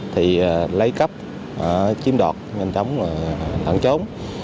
thì lấy cấp chiếm đọt nhanh chóng tặng chống